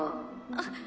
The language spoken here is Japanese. あっ。